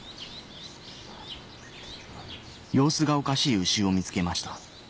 様子がおかしい牛を見つけました